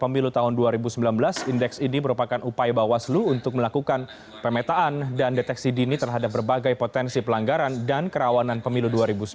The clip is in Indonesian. pemilu tahun dua ribu sembilan belas indeks ini merupakan upaya bawaslu untuk melakukan pemetaan dan deteksi dini terhadap berbagai potensi pelanggaran dan kerawanan pemilu dua ribu sembilan belas